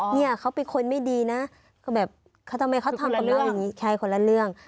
เนี่ยเขาเป็นคนไม่ดีนะเขาแบบเขาทำไมเขาทำกับเรื่องอย่างนี้แค่คนละเรื่อง